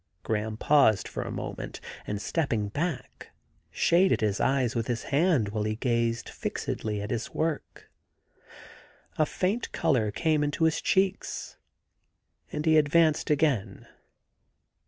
Graham paused for a moment, and stepping back, shaded his eyes with his hand while he gazed fixedly at his work. A faint colour came into his cheeks and he ad vanced again.